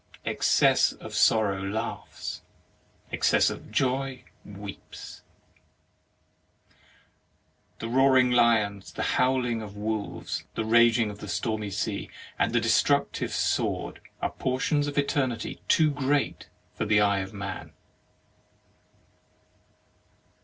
Excess of sorrow laughs, excess of joy weeps. The roaring of lions, the howling of wolves, the raging of the stormy sea, and the destructive sword, are por tions of Eternity too great for the eye of man.